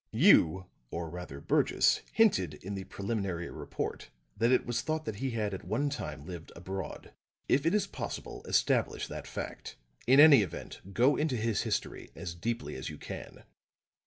You, or rather Burgess, hinted in the preliminary report that it was thought that he had at one time lived abroad. If it is possible, establish that fact. In any event, go into his history as deeply as you can."